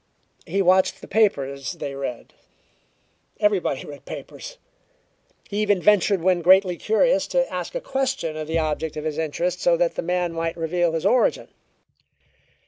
He watched the papers they read: everybody read papers! He even ventured when greatly curious, to ask a question of the object of his interest, so that the man might reveal his origin.